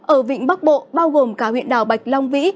ở vịnh bắc bộ bao gồm cả huyện đảo bạch long vĩ